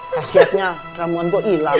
kasiatnya ramuan gue ilang